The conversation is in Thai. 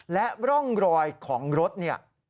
และร่องรอยของรถเนี่ย